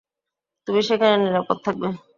তুমি সেখানে নিরাপদ থাকবে।